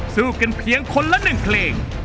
สู้กันเพียงคนละหนึ่งเครง